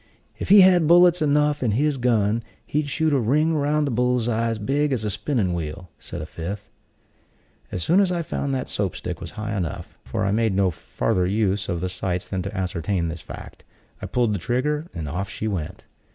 "If he had bullets enough in his gun, he'd shoot a ring round the bull's eye big as a spinning wheel," said a fifth. As soon as I found that Soap stick was high enough (for I made no farther use of the sights than to ascertain this fact), I pulled trigger, and off she went.